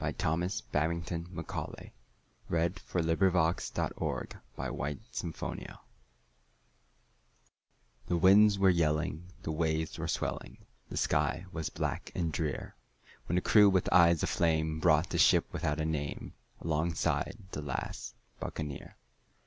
Thomas Babbington Macaulay The Last Buccaneer THE winds were yelling, the waves were swelling, The sky was black and drear, When the crew with eyes of flame brought the ship without a name Alongside the last Buccaneer.